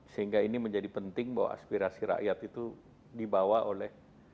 sehingga ini menjadi penting bahwa aspirasi rakyat itu dibawa oleh